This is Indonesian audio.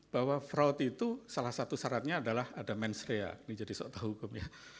bahwa fraud itu salah satu syaratnya adalah ada mensrea ini jadi suatu hukum ya